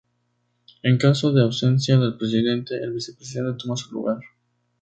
En caso de ausencia del Presidente, el Vicepresidente toma su lugar.